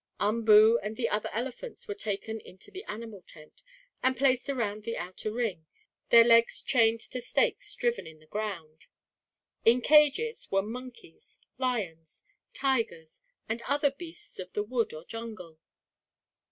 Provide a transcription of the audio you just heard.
Umboo and the other elephants were taken into the animal tent, and placed around the outer ring, their legs chained to stakes driven in the ground. In cages were monkeys, lions, tigers and other beasts of the wood or jungle.